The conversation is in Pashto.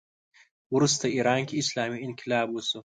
وروسته ایران کې اسلامي انقلاب وشو